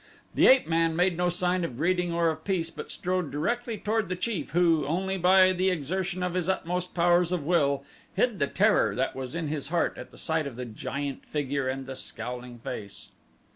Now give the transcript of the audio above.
The ape man made no sign of greeting or of peace but strode directly toward the chief who, only by the exertion of his utmost powers of will, hid the terror that was in his heart at sight of the giant figure and the scowling face.